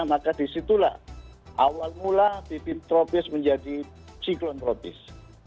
maka disitulah awal mula dipintropis menjadi psikotropis